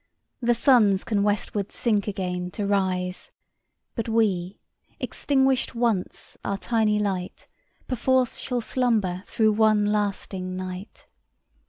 The Suns can westward sink again to rise But we, extinguished once our tiny light, 5 Perforce shall slumber through one lasting night!